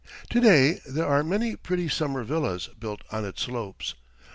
To day there are many pretty summer villas built on its slopes.